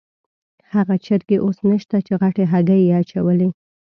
هغه چرګې اوس نشته چې غټې هګۍ یې اچولې.